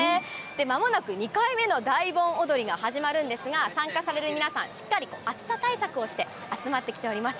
まもなく２回目の大盆踊りが始まるんですが、参加される皆さん、しっかりと暑さ対策をして、集まってきております。